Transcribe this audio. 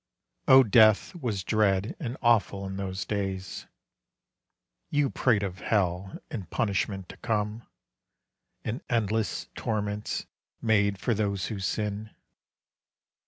O death was dread and awful in those days! You prate of hell and punishment to come, And endless torments made for those who sin.